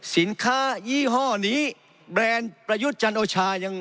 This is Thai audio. สินค้ายี่ห้อนี้แบรนด์ประยุทธ์จันโอชายัง